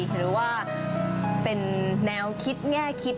หรือว่าเป็นแนวคิดแง่คิด